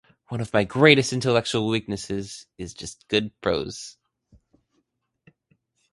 One of my greatest intellectual weaknesses is just good prose.